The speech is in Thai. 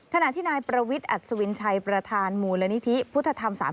ขณะที่นายประวิทย์อัศวินชัยประธานมูลนิธิพุทธธรรม๓๐